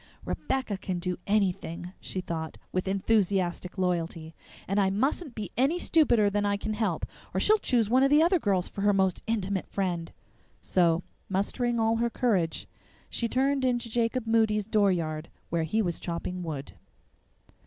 "Rebecca can do anything," she thought, with enthusiastic loyalty, "and I mustn't be any stupider than I can help, or she'll choose one of the other girls for her most intimate friend." So, mustering all her courage, she turned into Jacob Moody's dooryard, where he was chopping wood.